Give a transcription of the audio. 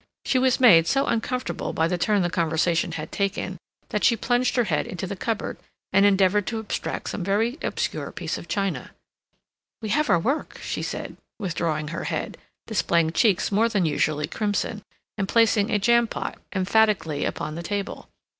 She was made so uncomfortable by the turn the conversation had taken, that she plunged her head into the cupboard, and endeavored to abstract some very obscure piece of china. "We have our work," she said, withdrawing her head, displaying cheeks more than usually crimson, and placing a jam pot emphatically upon the table.